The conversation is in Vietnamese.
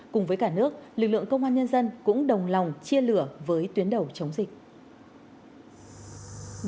cùng với cả nước lực lượng công an nhân dân cũng đồng lòng chia lửa với tuyến đầu chống dịch